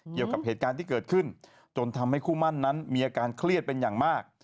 เกี่ยวกับเหตุการณ์ที่เกิดขึ้นจนทำให้คู่มั่นนั้นมีอาการเครียดเป็นอย่างมาก